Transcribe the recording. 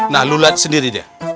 nah lu liat sendiri dia